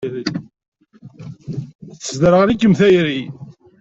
Tesderɣel-ikem tayri.